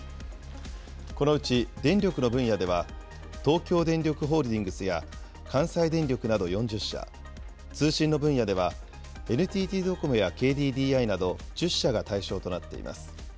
このうち、電力の分野では、東京電力ホールディングスや関西電力など４０社、通信の分野では、ＮＴＴドコモやＫＤＤＩなど、１０社が対象となっています。